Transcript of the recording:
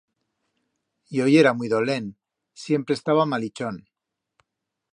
Yo yera muy dolent... Siempre estaba malichón.